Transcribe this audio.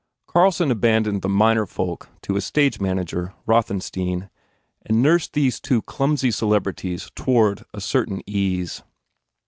Carlson abandoned the minor folk to his stage manager, Rothenstein, and nursed these two clumsy celeb rities toward a certain ease.